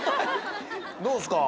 どうですか？